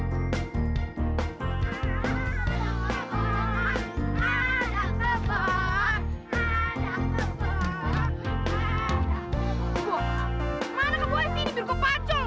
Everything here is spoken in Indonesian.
kebo mana kebo ya sini biar gue pacol